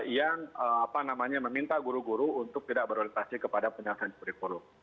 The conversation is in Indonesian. yang meminta guru guru untuk tidak berorientasi kepada penyelesaian kurikulum